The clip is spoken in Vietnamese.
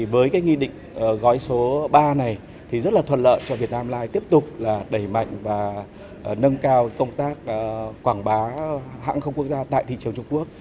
với cái nghị định gói số ba này thì rất là thuận lợi cho việt nam lai tiếp tục là đẩy mạnh và nâng cao công tác quảng bá hãng không quốc gia tại thị trường trung quốc